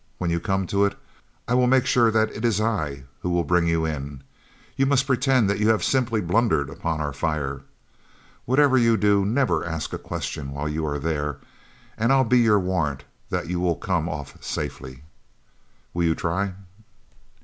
When you come to it I will make sure that it is I who will bring you in. You must pretend that you have simply blundered upon our fire. Whatever you do, never ask a question while you are there and I'll be your warrant that you will come off safely. Will you try?"